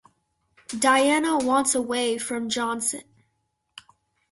Diana wants away from Johnson.